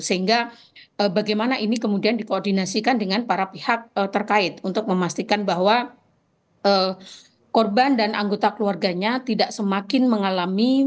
sehingga bagaimana ini kemudian dikoordinasikan dengan para pihak terkait untuk memastikan bahwa korban dan anggota keluarganya tidak semakin mengalami